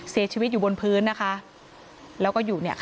เสียชีวิตอยู่บนพื้นนะคะแล้วก็อยู่เนี่ยค่ะ